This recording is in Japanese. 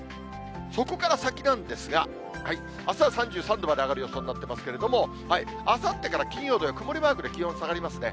そこから先なんですが、あすは３３度まで上がる予想になってますけれども、あさってから金曜、土曜、曇りマークで気温下がりますね。